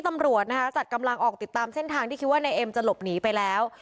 ตำรวจนะคะจัดกำลังออกติดตามเส้นทางที่คิดว่านายเอ็มจะหลบหนีไปแล้ว